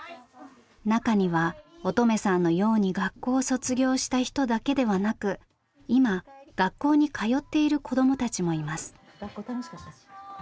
中には音十愛さんのように学校を卒業した人だけではなく今学校に通っている子どもたちもいます。